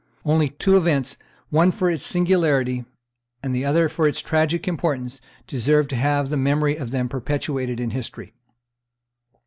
Only two events, one for its singularity and the other for its tragic importance, deserve to have the memory of them perpetuated in history.